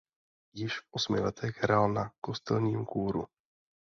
Již v osmi letech hrál na kostelním kůru.